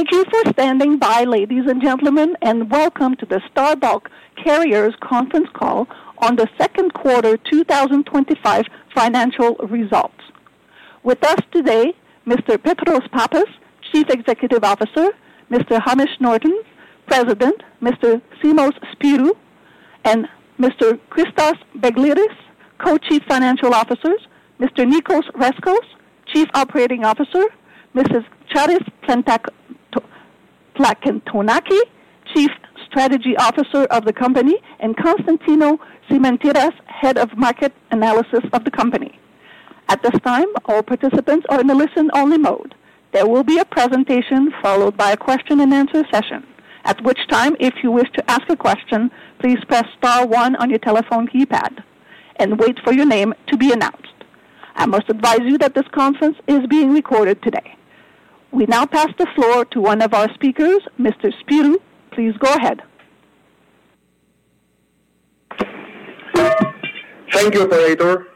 Thank you for standing by, ladies and gentlemen, and welcome to the Star Bulk Carriers conference call on the second quarter 2025 financial results. With us today, Mr. Petros Pappas, Chief Executive Officer, Mr. Hamish Norton, President, Mr. Simos Spyrou, and Mr. Christos Begleris, Co-Chief Financial Officers, Mr. Nicos Rescos, Chief Operating Officer, Mrs. Charis Plakantonaki, Chief Strategy Officer of the company, and Constantinos Simantiras, Head of Market Analysis of the company. At this time, all participants are in a listen-only mode. There will be a presentation followed by a question-and-answer session, at which time, if you wish to ask a question, please press star one on your telephone keypad and wait for your name to be announced. I must advise you that this conference is being recorded today. We now pass the floor to one of our speakers, Mr. Spyrou. Please go ahead. Thank you, operator.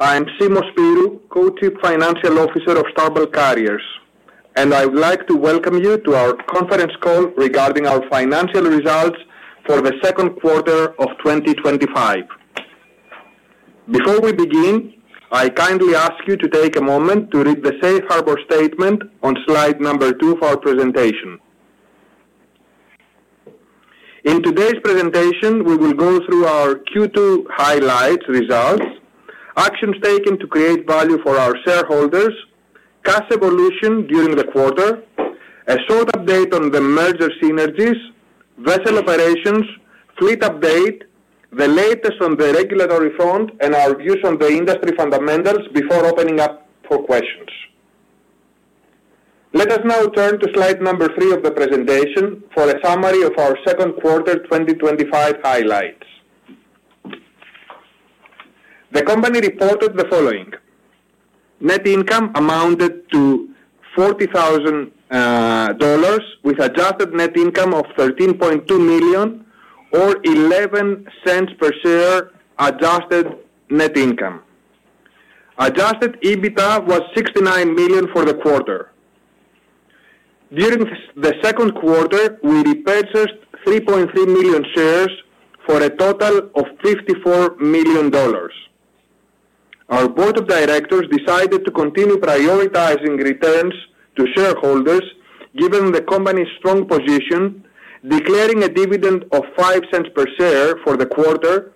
I'm Simos Spyrou, Co-Chief Financial Officer of Star Bulk Carriers, and I would like to welcome you to our conference call regarding our financial results for the second quarter of 2025. Before we begin, I kindly ask you to take a moment to read the safe harbor statement on slide number two of our presentation. In today's presentation, we will go through our Q2 highlights results, actions taken to create value for our shareholders, cash evolution during the quarter, a short update on the merger synergies, vessel operations, fleet update, the latest on the regulatory front, and our views on the industry fundamentals before opening up for questions. Let us now turn to slide number three of the presentation for a summary of our second quarter 2025 highlights. The company reported the following: net income amounted to $40,000, with an adjusted net income of $13.2 million, or $0.11 per share adjusted net income. Adjusted EBITDA was $69 million for the quarter. During the second quarter, we repurchased 3.3 million shares for a total of $54 million. Our Board of Directors decided to continue prioritizing returns to shareholders, given the company's strong position, declaring a dividend of $0.05 per share for the quarter,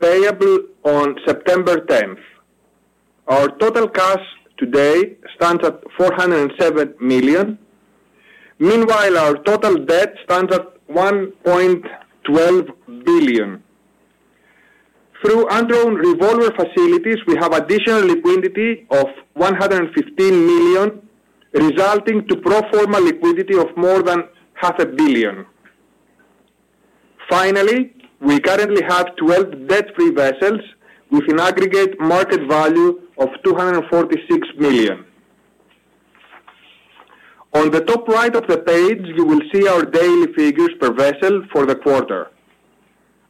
payable on September 10th. Our total cash today stands at $407 million. Meanwhile, our total debt stands at $1.12 billion. Through underwritten revolver facilities, we have additional liquidity of $115 million, resulting in pro forma liquidity of more than $0.5 billion. Finally, we currently have 12 debt-free vessels with an aggregate market value of $246 million. On the top right of the page, you will see our daily figures per vessel for the quarter.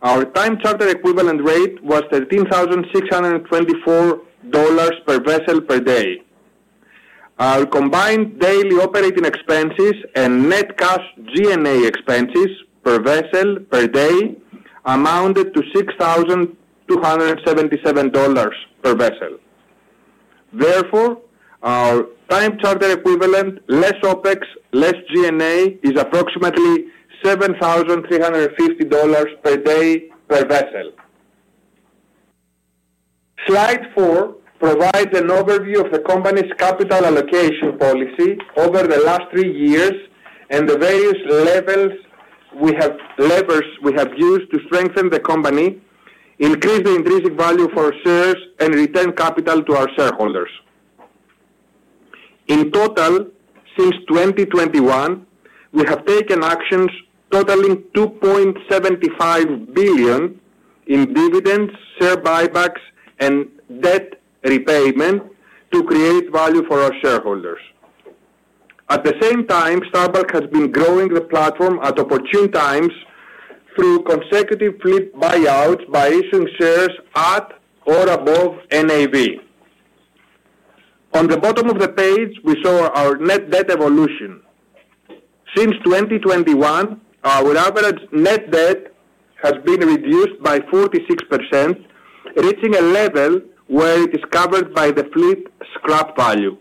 Our time charter equivalent rate was $13,624 per vessel per day. Our combined daily operating expenses and net cash G&A expenses per vessel per day amounted to $6,277 per vessel. Therefore, our time charter equivalent, less OpEx, less G&A, is approximately $7,350 per day per vessel. Slide four provides an overview of the company's capital allocation policy over the last three years and the various levers we have used to strengthen the company, increase the intrinsic value for shares, and return capital to our shareholders. In total, since 2021, we have taken actions totaling $2.75 billion in dividends, buybacks, and debt repayment to create value for our shareholders. At the same time, Star Bulk Carriers has been growing the platform at opportune times through consecutive fleet buyouts by issuing shares at or above NAV. On the bottom of the page, we saw our net debt evolution. Since 2021, our average net debt has been reduced by 46%, reaching a level where it is covered by the fleet scrap value.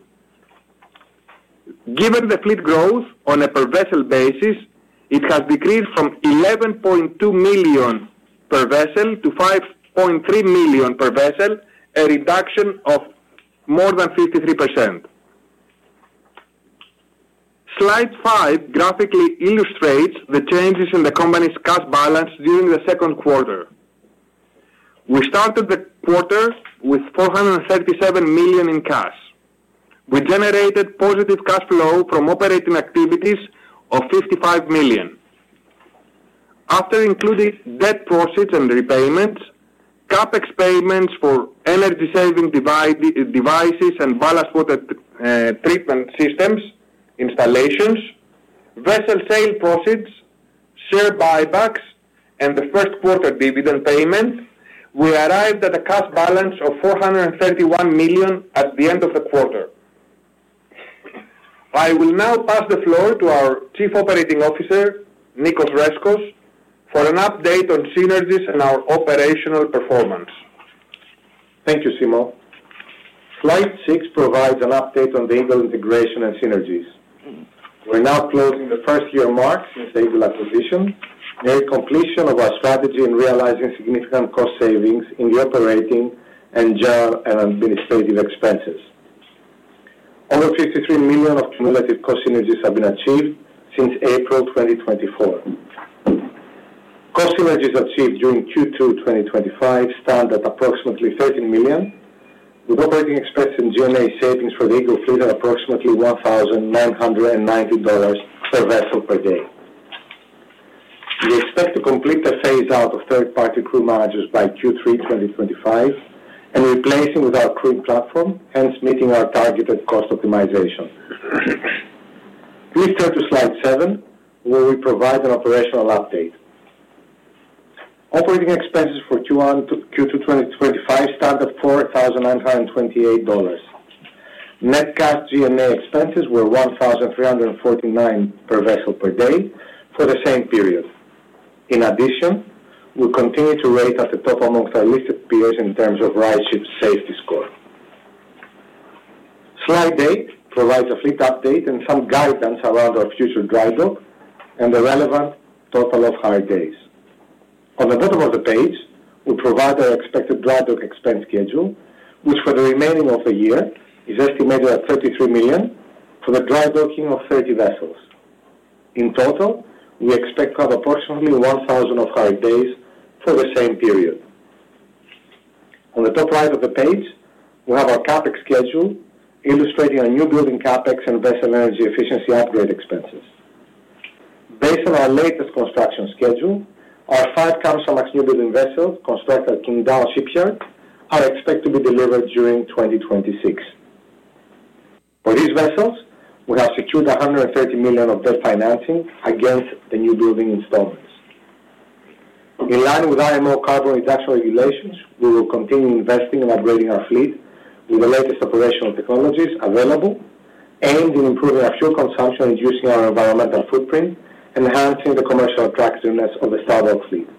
Given the fleet growth, on a per-vessel basis, it has decreased from $11.2 million per vessel to $5.3 million per vessel, a reduction of more than 53%. Slide five graphically illustrates the changes in the company's cash balance during the second quarter. We started the quarter with $437 million in cash. We generated positive cash flow from operating activities of $55 million. After including debt profits and repayments, CapEx expenses for energy-saving devices and ballast water treatment systems installations, vessel sale profits, share buybacks, and the first quarter dividend payment, we arrived at a cash balance of $431 million at the end of the quarter. I will now pass the floor to our Chief Operating Officer, Nicos Rescos, for an update on synergies and our operational performance. Thank you, Simos. Slide six provides an update on the Eagle integration and synergies. We're now closing the first year mark since the Eagle acquisition, near completion of our strategy in realizing significant cost savings in the operating and general and administrative expenses. Over $53 million of cumulative cost synergies have been achieved since April 2024. Per synergies achieved during Q2 2025 stand at approximately $13 million, with operating expense and G&A savings for the Eagle fleet at approximately $1,990 per vessel per day. We expect to complete the phase out of third-party crew managers by Q3 2025 and replace it with our crew platform, hence meeting our targeted cost optimization. Please turn to slide seven, where we provide an operational update. Operating expenses for Q1 to Q2 2025 stand at $4,928. Net cash G&A expenses were $1,349 per vessel per day for the same period. In addition, we continue to rate at the top amongst our listed peers in terms of ridership safety score. Slide eight provides a fleet update and some guidance around our future drydock and the relevant total off hire days. At the bottom of the page, we provide our expected drydock expense schedule, which for the remaining of the year is estimated at $33 million for the drydocking of 30 vessels. In total, we expect to have approximately 1,000 off hire days for the same period. On the top right of the page, we have our CapEx schedule illustrating our newbuilding CapEx and vessel energy efficiency upgrade expenses. Based on our latest construction schedule, our five Kamsarmax newbuilding vessels constructed at Qingdao Shipyard are expected to be delivered during 2026. For these vessels, we have secured $130 million of debt financing against the newbuilding installments. In line with IMO carbon reduction regulations, we will continue investing and upgrading our fleet with the latest operational technologies available, aimed at improving our fuel consumption, reducing our environmental footprint, and enhancing the commercial attractiveness of the standard fleet.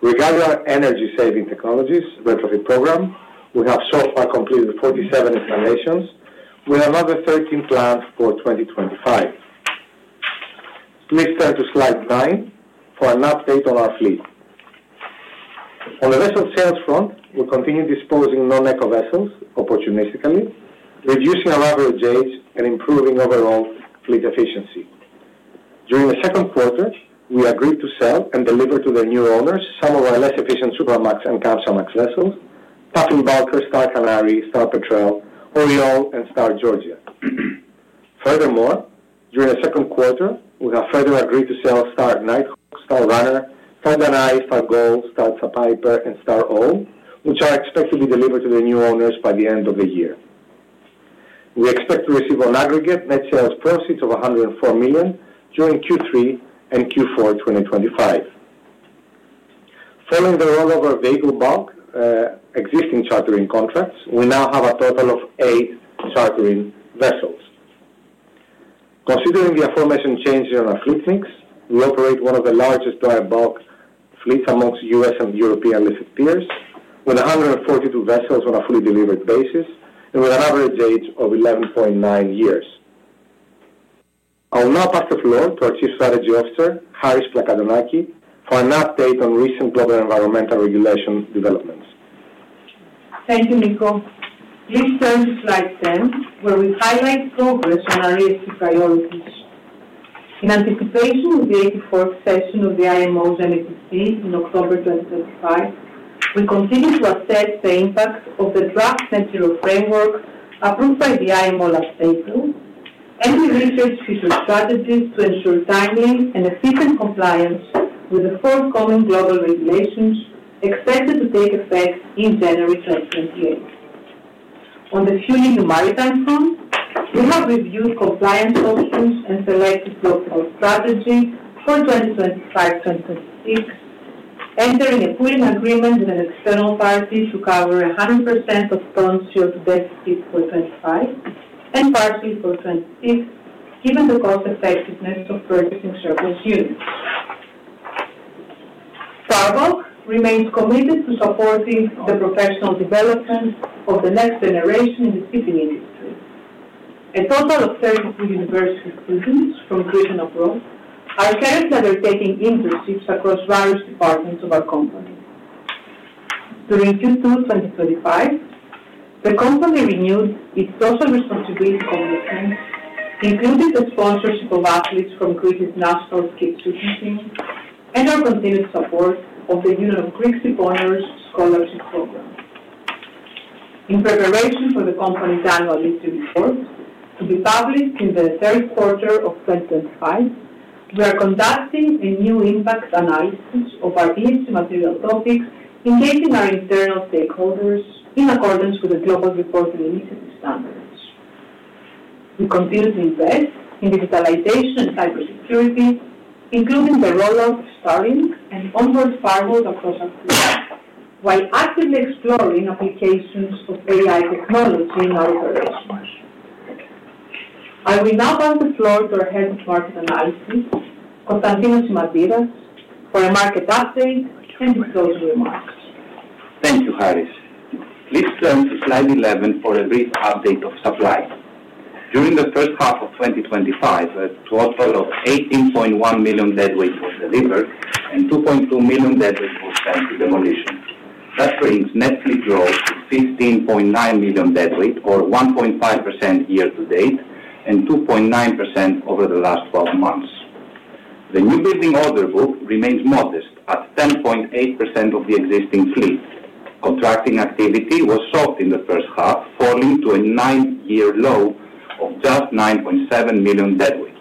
Regarding our energy-saving technologies, retrofit program, we have so far completed 47 installations with another 13 planned for 2025. Please turn to slide nine for an update on our fleet. On the vessel sales front, we continue disposing non-eco vessels opportunistically, reducing our average age and improving overall fleet efficiency. During the second quarter, we agreed to sell and deliver to the new owners some of our less efficient Supramax and Kamsarmax vessels, Puffle Bulker, Star Canary, Star Petrel, Oriole and Star Georgia. Furthermore, during the second quarter, we have further agreed to sell Star Knight, Star Runner, Star Lanai, Star Go, Star Sapphire, and Star Owl, which are expected to be delivered to the new owners by the end of the year. We expect to receive an aggregate net sales profit of $104 million during Q3 and Q4 2025. Following the rollover of the Eagle Bulk existing chartering contracts, we now have a total of eight chartering vessels. Considering the aforementioned changes in our fleet mix, we operate one of the largest dry bulk fleets amongst U.S. and European listed peers, with 142 vessels on a fully delivered basis and with an average age of 11.9 years. I'll now pass the floor to our Chief Strategy Officer, Charis Plakantonaki, for an update on recent weather and environmental regulation developments. Thank you, Nicos. Please turn to slide seven, where we highlight progress on our ESG priorities. In anticipation of the 84th session of the IMO MEPC in October 2025, we continue to assess the impact of the draft central framework approved by the IMO last April and we research future strategies to ensure timely and efficient compliance with the forthcoming global regulations expected to take effect in January 2028. On the shipping and maritime front, we have reviewed compliance only and selected our strategy for 2025-2026, entering a pooling agreement with an external party to cover 100% of tons yield to debt fees for 2025 and parties for 2026, given the cost-effectiveness of purchasing surplus units. Star Bulk Carriers remains committed to supporting the professional development of the next generation in the shipping industry. A total of 32 university students from Greece and abroad are currently undertaking internships across various departments of our company. During Q2 2025, the company renewed its social responsibility commitment, including the sponsorship of athletes from Greece's National Cricket Team and our continued support of the Union of Greek Shipowners Scholarship Program. In preparation for the company's annual listed report to be published in the third quarter of 2025, we are conducting a new impact analysis of our ESG material topics in linking our industry stakeholders in accordance with the Global Reporting Initiative standards. We continue to invest in digitalization and cybersecurity, including the rollout, starting, and onboard firewalls across our fleet, while actively exploring applications of AI-based methods in our operations. I will now pass the floor to our Head of Market Analysis, Constantinos Simantiras, for a market update and to close with remarks. Thank you, Charis. Please turn to slide 11 for a brief update of supplies. During the first half of 2025, a total of 18.1 million deadweight was delivered and 2.2 million deadweight was sent to demolition. That brings net fleet growth to 15.9 million deadweight, or 1.5% year to date and 2.9% over the last 12 months. The newbuilding orderbook remains modest at 10.8% of the existing fleet. Contracting activity was short in the first half, falling to a nine-year low, just 9.7 million deadweight.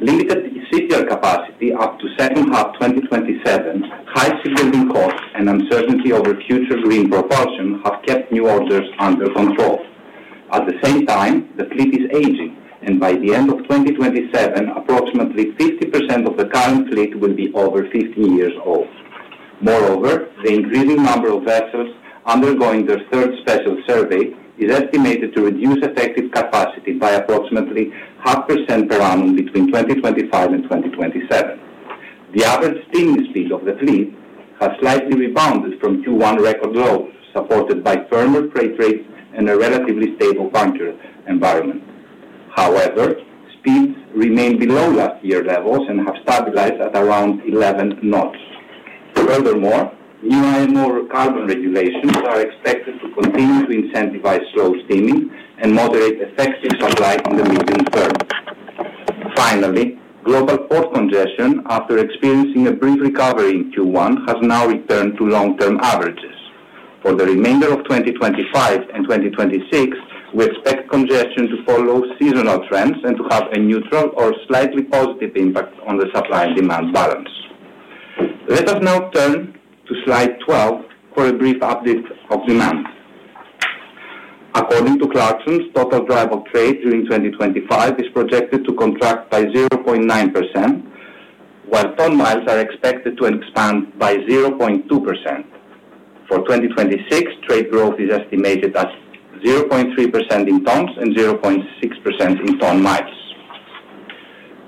Limited shipyard capacity up to second half 2027, high shipyard costs, and uncertainty over future green propulsion have kept new orders under control. At the same time, the fleet is aging, and by the end of 2027, approximately 50% of the current fleet will be over 15 years old. Moreover, the increasing number of vessels undergoing their third special survey is estimated to reduce effective capacity by approximately 0.5% per annum between 2025 and 2027. The average steam speed of the fleet has slightly rebounded from Q1 record lows, supported by firmer freight rates and a relatively stable country environment. However, speeds remain below last year's levels and have stabilized at around 11 knots. Furthermore, new IMO carbon regulations are expected to continue to incentivize slow steaming and moderate excess ship supply in the medium term. Finally, global port congestion after experiencing a brief recovery in Q1 has now returned to long-term averages. For the remainder of 2025 and 2026, we expect congestion to follow seasonal trends and to have a neutral or slightly positive impact on the supply and demand balance. Let us now turn to slide 12 for a brief update of demands. According to Clarkson's, total dry bulk trade during 2025 is projected to contract by 0.9%, while ton-miles are expected to expand by 0.2%. For 2026, trade growth is estimated at 0.3% in tons and 0.6% in ton-miles.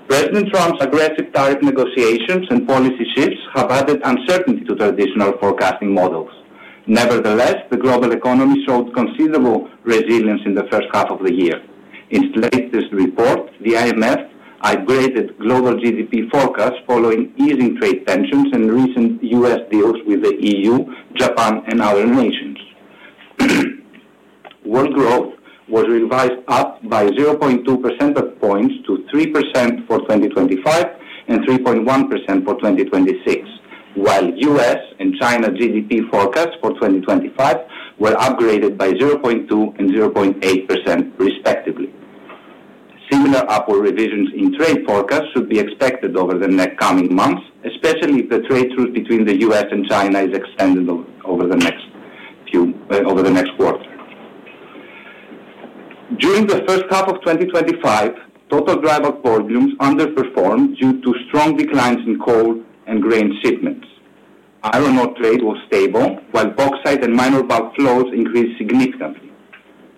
President Trump's aggressive tariff negotiations and policy shifts have added uncertainty to traditional forecasting models. Nevertheless, the global economy showed considerable resilience in the first half of the year. In its latest report, the IMF upgraded global GDP forecasts following easing trade tensions and recent U.S. deals with the EU, Japan, and other nations. World growth was revised up by 0.2% points to 3% for 2025 and 3.1% for 2026, while U.S. and China GDP forecasts for 2025 were upgraded by 0.2% and 0.8% respectively. Similar upward revisions in trade forecasts should be expected over the next coming months, especially if the trade truce between the U.S. and China is extended over the next quarter. During the first half of 2025, total dry bulk volumes underperformed due to strong declines in coal and grain shipments. Iron ore trade was stable, while offsite and minor bulk flows increased significantly.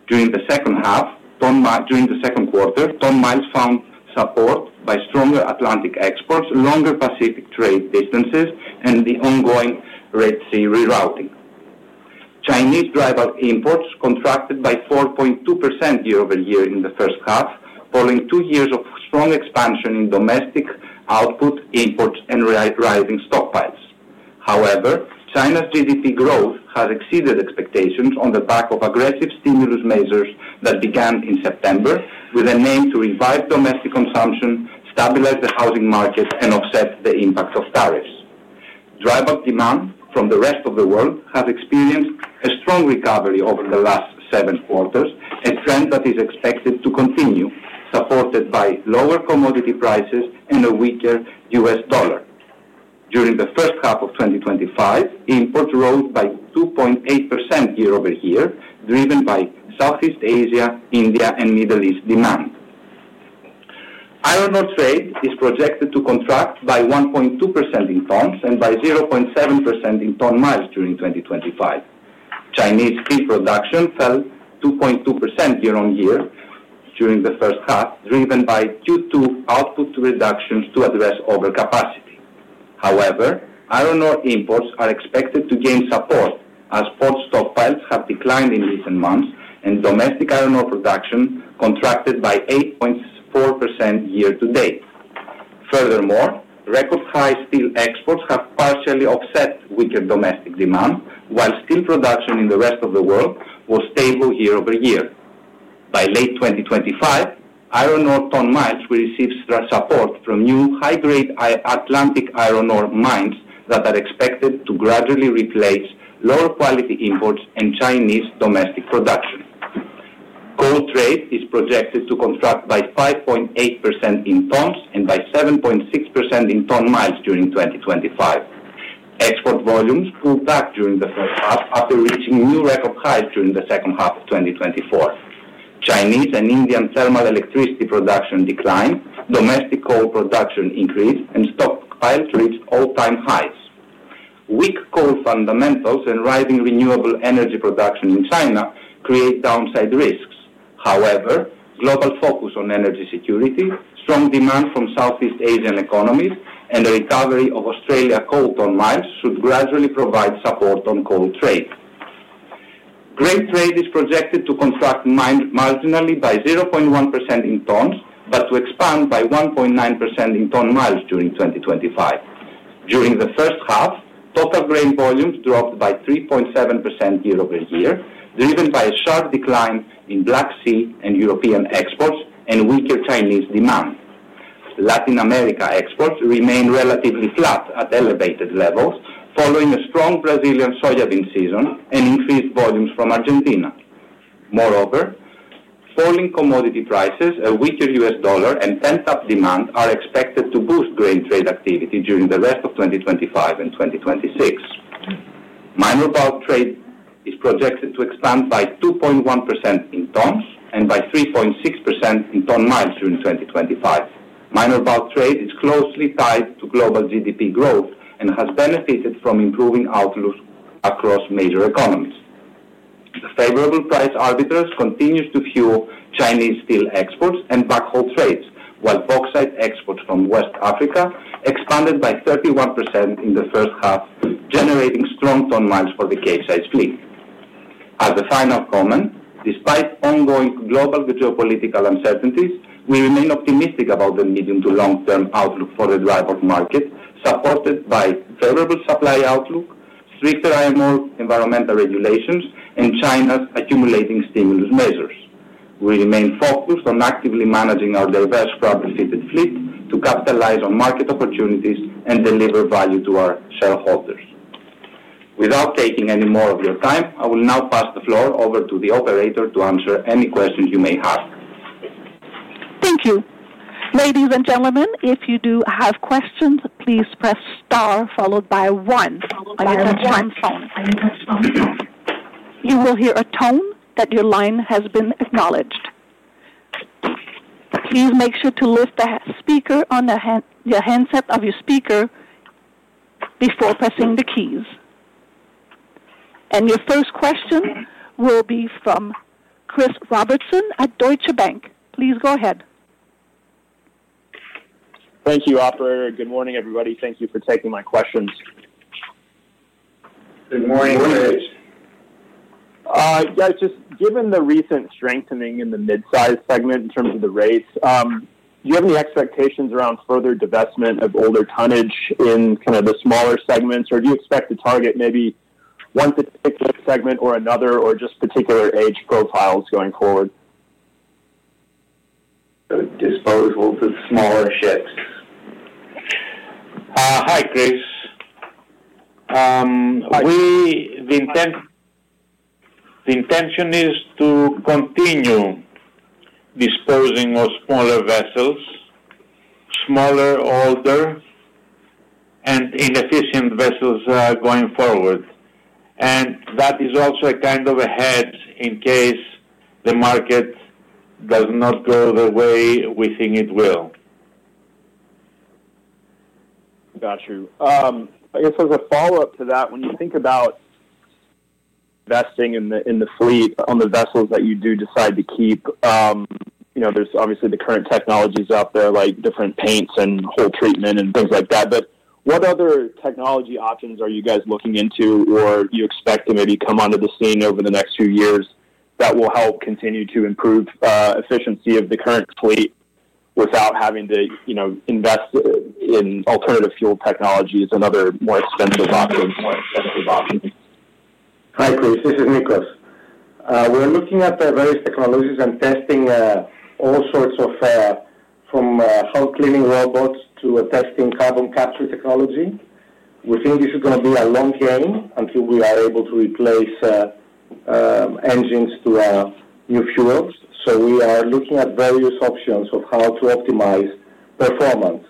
During the second half, during the second quarter, ton-miles found support by stronger Atlantic exports, longer Pacific trade distances, and the ongoing Red Sea rerouting. Chinese dry bulk imports contracted by 4.2% year over year in the first half, following two years of strong expansion in domestic output, imports, and rising stockpiles. However, China's GDP growth has exceeded expectations on the back of aggressive stimulus measures that began in September, with an aim to revive domestic consumption, stabilize the housing markets, and offset the impact of tariffs. Dry bulk demand from the rest of the world has experienced a strong recovery over the last seven quarters, a trend that is expected to continue, supported by lower commodity prices and a weaker U.S. dollar. During the first half of 2025, imports rose by 2.8% year over year, driven by Southeast Asia, India, and Middle East demand. Iron ore trade is projected to contract by 1.2% in tons and by 0.7% in ton-miles during 2025. Chinese feed production fell 2.2% year on year during the first half, driven by Q2 output reductions to address overcapacity. However, iron ore imports are expected to gain support as port stockpiles have declined in recent months and domestic iron ore production contracted by 8.4% year to date. Furthermore, record high steel exports have partially offset weaker domestic demand, while steel production in the rest of the world was stable year over year. By late 2025, iron ore ton-miles will receive support from new high-grade Atlantic iron ore mines that are expected to gradually replace lower quality imports and Chinese domestic production. Coal trade is projected to contract by 5.8% in tons and by 7.6% in ton-miles during 2025. Export volumes pulled back during the third quarter, after reaching new record highs during the second half of 2024. Chinese and Indian thermal electricity production declined, domestic coal production increased, and stockpiles reached all-time highs. Weak coal fundamentals and rising renewable energy production in China create downside risks. However, global focus on energy security, strong demand from Southeast Asian economies, and the recovery of Australia coal ton miles should gradually provide support on coal trade. Fleet trade is projected to contract marginally by 0.1% in tons, but to expand by 1.9% in ton miles during 2025. During the first half, total grain volumes dropped by 3.7% year over year, driven by a sharp decline in Black Sea and European exports and weaker Chinese demand. Latin America exports remain relatively flat at elevated levels, following a strong Brazilian soybean season and increased volumes from Argentina. Moreover, falling commodity prices, a weaker U.S. dollar, and pent-up demand are expected to boost grain trade activity during the rest of 2025 and 2026. Minor bulk trade is projected to expand by 2.1% in tons and by 3.6% in ton miles during 2025. Minor bulk trade is closely tied to global GDP growth and has benefited from improving outlooks across major economies. Favorable price arbitrage continues to fuel Chinese steel exports and black hole trades, while offsite exports from West Africa expanded by 31% in the first half, generating strong ton miles for the Cape Size fleet. As the final comment, despite ongoing global geopolitical uncertainties, we remain optimistic about the medium to long-term outlook for the dry bulk market, supported by favorable supply outlook, stricter IMO environmental regulations, and China's accumulating stimulus measures. We remain focused on actively managing our diverse travel-fitted fleet to capitalize on market opportunities and deliver value to our shareholders. Without taking any more of your time, I will now pass the floor over to the operator to answer any questions you may have. Thank you. Ladies and gentlemen, if you do have questions, please press star followed by one on your phone. You will hear a tone that your line has been acknowledged. Please make sure to lift the speaker on the handset of your speaker before pressing the keys. Your first question will be from Chris Robertson at Deutsche Bank. Please go ahead. Thank you, operator. Good morning, everybody. Thank you for taking my questions. Good morning. Given the recent strengthening in the midsize segment in terms of the rates, do you have any expectations around further divestment of older tonnage in kind of the smaller segments, or do you expect to target maybe one particular segment or another, or just particular age profiles going forward? Dispose of the smaller ships. I guess the intention is to continue disposing of smaller vessels, smaller, older, and inefficient vessels going forward. That is also a kind of ahead in case the market does not go the way we think it will. Got you. I guess as a follow-up to that, when you think about investing in the fleet on the vessels that you do decide to keep, there's obviously the current technologies out there, like different paints and treatment and things like that. What other technology options are you guys looking into or you expect to maybe come onto the scene over the next few years that will help continue to improve efficiency of the current fleet without having to invest in alternative fuel technologies and other more expensive options? This is Nicos. We're looking at various technologies and testing all sorts of, from air cleaning robots to testing carbon capture technology. We think this is going to be a long game until we are able to replace engines to have new fuels. We are looking at various options of how to optimize performance.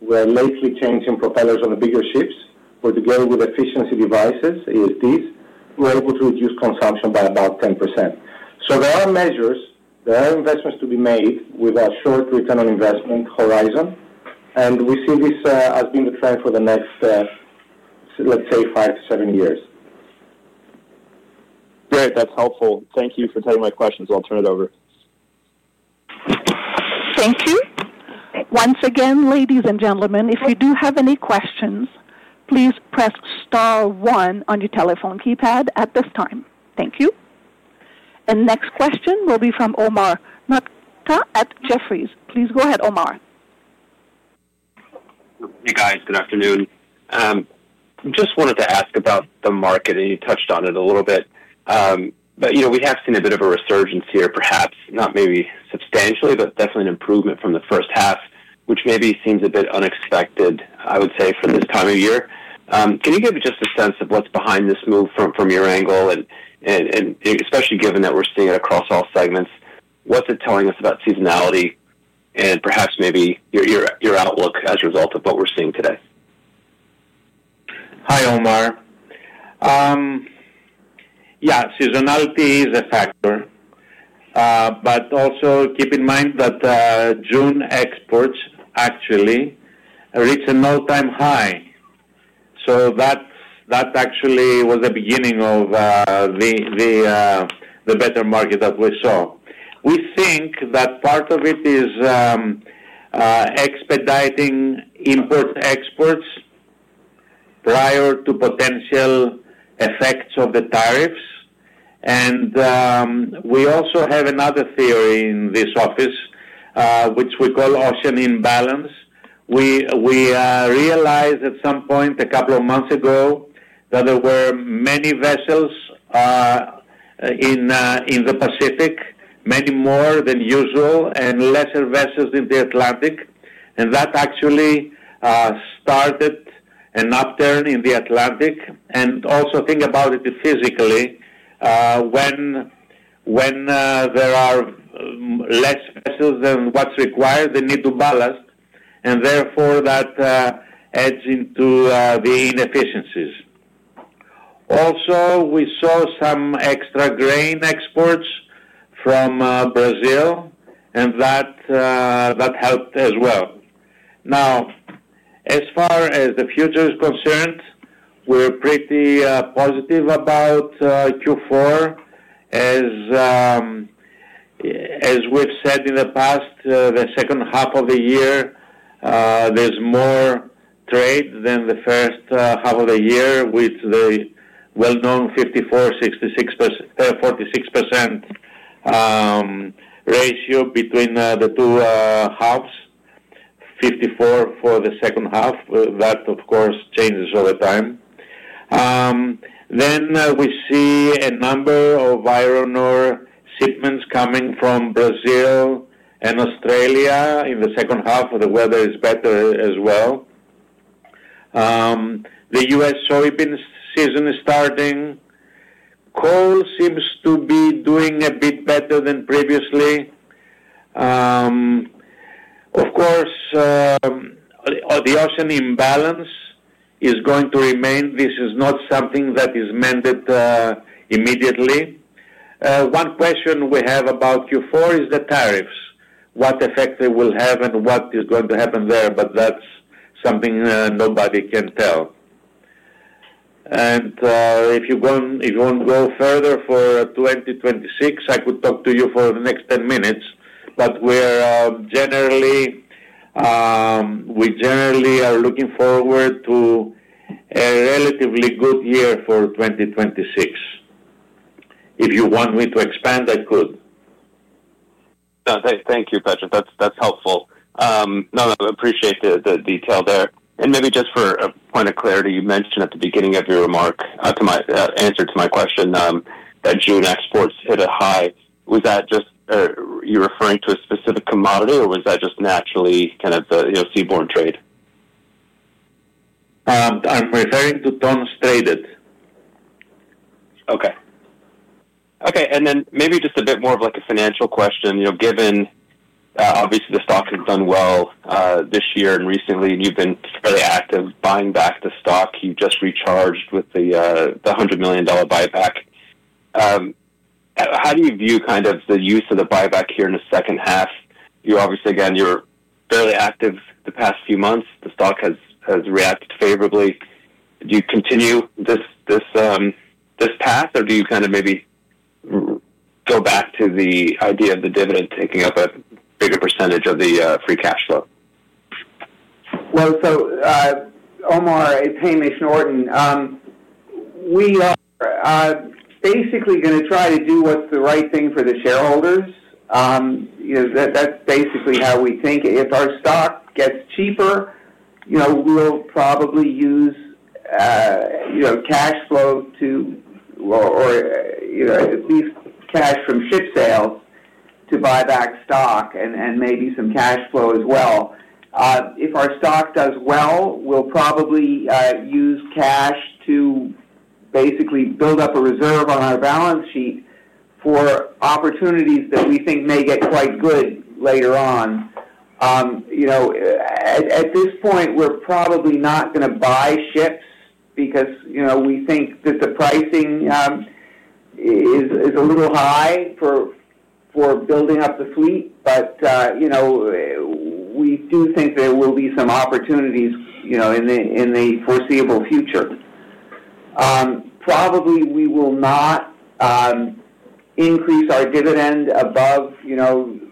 We are lately changing propellers on the bigger ships for the global efficiency devices, ESDs, where we could reduce consumption by about 10%. There are measures, there are investments to be made with a short return on investment horizon, and we see this as being the trend for the next, let's say, five to seven years. Great. That's helpful. Thank you for taking my questions. I'll turn it over. Thank you. Once again, ladies and gentlemen, if you do have any questions, please press star one on your telephone keypad at this time. Thank you. Next question will be from Omar Nokta at Jefferies. Please go ahead, Omar. Hey guys, good afternoon. I just wanted to ask about the market, and you touched on it a little bit. You know we have seen a bit of a resurgence here, perhaps not maybe substantially, but definitely an improvement from the first half, which maybe seems a bit unexpected, I would say, for this time of year. Can you give us just a sense of what's behind this move from your angle? Especially given that we're seeing it across all segments, what's it telling us about seasonality and perhaps maybe your outlook as a result of what we're seeing today? Yeah, seasonality is a factor, but also keep in mind that June exports actually reached an all-time high. That actually was the beginning of the better market that we saw. We think that part of it is expediting import-exports prior to potential effects of the tariffs. We also have another theory in this office, which we call often imbalance. We realized at some point a couple of months ago that there were many vessels in the Pacific, many more than usual, and fewer vessels in the Atlantic. That actually started an upturn in the Atlantic. Also, think about it physically, when there are less vessels than what's required, they need to ballast, and therefore, that edged into the inefficiencies. We saw some extra grain exports from Brazil, and that helped as well. Now, as far as the future is concerned, we're pretty positive about Q4. As we've said in the past, the second half of the year, there's more trade than the first half of the year with the well-known 54%, 46% ratio between the two halves. 54% for the second half. That, of course, changes all the time. We see a number of vibrant shipments coming from Brazil and Australia in the second half, and the weather is better as well. The U.S. soybean season is starting. Seems to be doing a bit better than previously. The often imbalance is going to remain. This is not something that is mended immediately. One question we have about Q4 is the tariffs, what effect they will have and what is going to happen there, but that's something nobody can tell. If you want to go further for 2026, I could talk to you for the next 10 minutes, but we generally are looking forward to a relatively good year for 2026. If you want me to expand, I could. Thank you, Petros. That's helpful. No, I appreciate the detail there. Maybe just for a point of clarity, you mentioned at the beginning of your remark, to my answer to my question, that June exports hit a high. Was that just, you're referring to a specific commodity, or was that just naturally kind of the seaborne trade? I'm referring to tons traded. Okay. Maybe just a bit more of like a financial question. You know, given, obviously, the stock has done well this year and recently, and you've been fairly active buying back the stock. You just recharged with the $100 million buyback. How do you view kind of the use of the buyback here in the second half? You're obviously, again, you were fairly active the past few months. The stock has reacted favorably. Do you continue this path, or do you kind of maybe go back to the idea of the dividend taking up a bigger percentage of the free cash flow? Omar, it's Hamish Norton. We are basically going to try to do what's the right thing for the shareholders. That's basically how we think it. If our stock gets cheaper, we'll probably use cash flow to, or at least cash from ship sales, to buy back stock and maybe some cash flow as well. If our stock does well, we'll probably use cash to basically build up a reserve on our balance sheet for opportunities that we think may get quite good later on. At this point, we're probably not going to buy ships because we think that the pricing is a little high for building up the fleet. We do think there will be some opportunities in the foreseeable future. Probably we will not increase our dividend above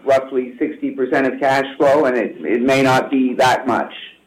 roughly 60% of cash flow, and it may not be that much.